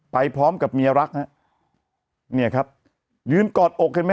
ไปพร้อมกับเมียรักฮะเนี่ยครับยืนกอดอกเห็นไหม